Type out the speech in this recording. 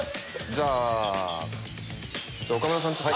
じゃあ岡村さんちょっと。